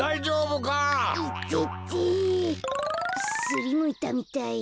すりむいたみたい。